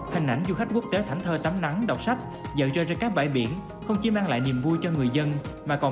hình ảnh du khách quốc tế thảnh thơ tắm nắng đọc sách dần rơi ra các bãi biển không chỉ mang lại niềm vui cho người dân mà còn mang lại kỳ vọng phục hồi mặt trời